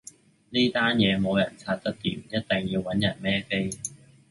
呢單嘢冇人拆得掂，一定要搵人孭飛